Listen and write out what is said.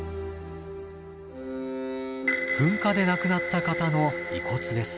噴火で亡くなった方の遺骨です。